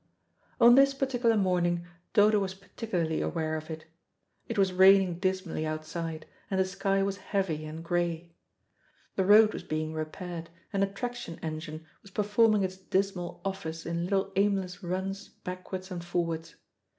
On this particular morning Dodo was particularly aware of it. It was raining dismally outside, and the sky was heavy and grey. The road was being repaired, and a traction engine was performing its dismal office in little aimless runs backwards and forwards.